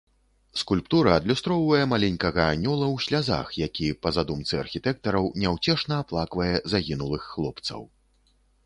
Скульптура адлюстроўвае маленькага анёла ў слязах, які, па задумцы архітэктараў, няўцешна аплаквае загінулых хлопцаў.